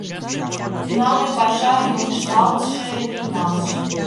Тӱҥалме паша йӧнешталтше, вийналтше.